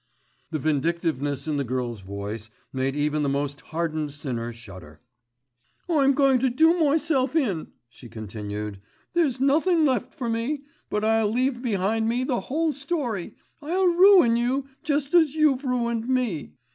The vindictiveness in the girl's voice made even the most hardened sinner shudder. "I'm goin' to do myself in," she continued, "there's nothing left for me; but I'll leave behind me the whole story, I'll ruin you, just as you've ruined me.